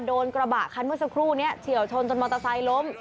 โดนกระบะคันเมื่อสักครู่นี้เฉียวชนจนมอเตอร์ไซค์ล้ม